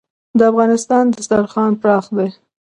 د افغانستان دسترخان پراخ دی